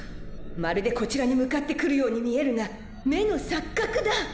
まるでこちらにむかってくるようにみえるがめのさっかくだ！